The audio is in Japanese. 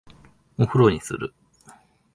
お風呂にする？